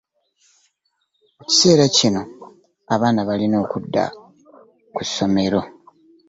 Mu kiseera kino abaana balina okuddayo ku ssomero.